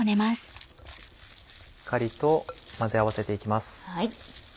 しっかりと混ぜ合わせて行きます。